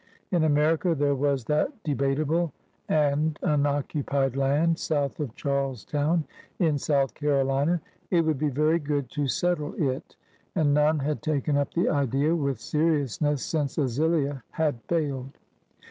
In America there was that debatable and unoccupied land south of Charles Town in South Carolina. It would be very good to settle it, and none had taken up the idea with seriousness since Azilia had failed.